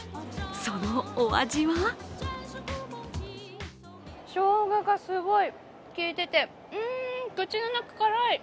そのお味はショウガがすごい効いててうーん口の中、辛い。